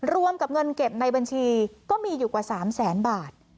รวมกับเงินเก็บในบัญชีก็มีอยู่กว่า๓แสนบาท